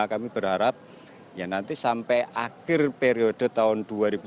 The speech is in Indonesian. kami berharap ya nanti sampai akhir periode tahun dua ribu dua puluh